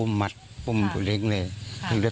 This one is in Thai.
เคยมีเหตุการณ์ที่เขา